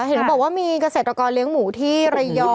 เห็นเขาบอกว่ามีเกษตรกรเลี้ยงหมูที่ระยอง